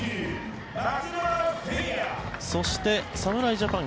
そして、侍ジャパン